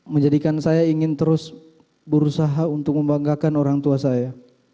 menjadikan saya ingin terus berusaha untuk membanggakan orang tua saya